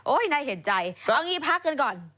โอ๊ยนายเห็นใจเอางี้พักกันก่อน